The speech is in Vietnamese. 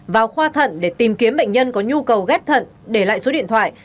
vào khoa thận để tìm kiếm bệnh nhân có nhu cầu ghép thận để lại số điện thoại